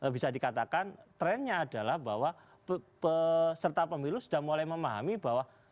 bisa dikatakan trennya adalah bahwa peserta pemilu sudah mulai memahami bahwa